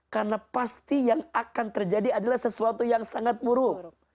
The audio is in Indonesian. karena pasti yang akan terjadi adalah sesuatu yang sangat buruk